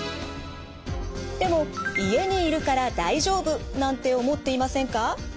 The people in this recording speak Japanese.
でも家にいるから大丈夫なんて思っていませんか？